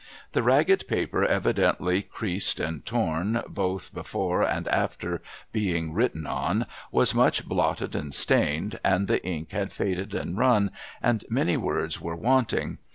The ragged paper, evidently creased and torn both before and after being written on, was much blotted and stained, and the ink had faded and run, and many words were wanting.